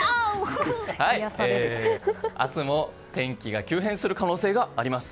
明日も天気が急変する可能性があります。